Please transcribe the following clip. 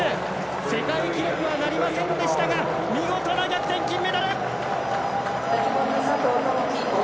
世界記録はなりませんでしたが見事な逆転、金メダル！